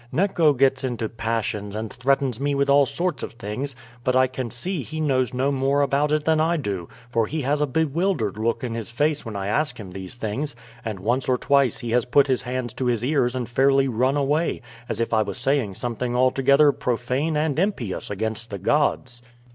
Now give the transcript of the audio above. "Neco gets into passions and threatens me with all sorts of things; but I can see he knows no more about it than I do, for he has a bewildered look in his face when I ask him these things, and once or twice he has put his hands to his ears and fairly run away, as if I was saying something altogether profane and impious against the gods."